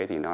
thì nó làm